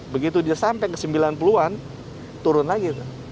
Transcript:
begitu dia sampai ke sembilan puluh an turun lagi